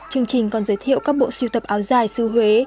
chương trình còn giới thiệu các bộ siêu tập áo dài xứ huế